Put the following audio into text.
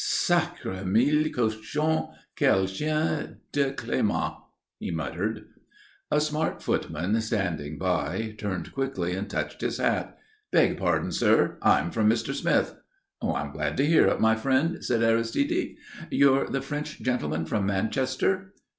"Sacré mille cochons! Quel chien de climat!" he muttered. A smart footman standing by turned quickly and touched his hat. "Beg pardon, sir; I'm from Mr. Smith." "I'm glad to hear it, my friend," said Aristide. "You're the French gentleman from Manchester?"